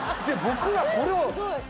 で僕はこれを。